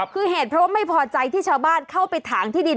คือเหตุเพราะว่าไม่พอใจที่ชาวบ้านเข้าไปถางที่ดิน